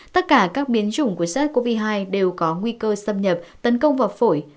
tất cả các biến chủng của sars cov hai đều có nguy cơ xâm nhập tấn công vào phổi